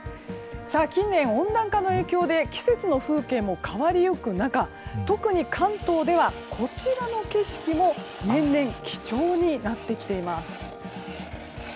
近年、温暖化の影響で季節の風景も変わりゆく中特に関東ではこちらの景色も年々貴重になってきています。